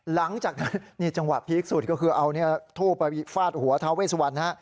หลังจากนั้นนี่จังหวะพีคสุดก็คือเอาทูบไปฟาดหัวทาเวสวันฮะ